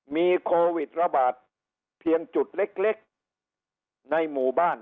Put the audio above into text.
มีโควิดระบาดเพียงจุดเล็กในหมู่บ้าน